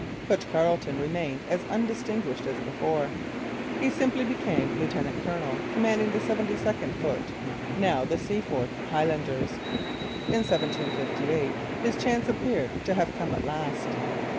But Carleton remained as undistinguished as before. He simply became lieutenant colonel commanding the 72nd Foot, now the Seaforth Highlanders. In 1758 his chance appeared to have come at last.